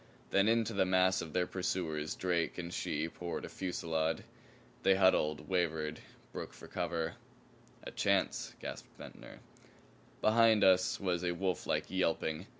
Then into the mass of their pursuers Drake and she poured a fusillade. They huddled, wavered, broke for cover. "A chance!" gasped Ventnor. Behind us was a wolflike yelping.